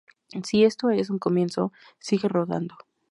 Si esto es un comienzo, sigue rodando".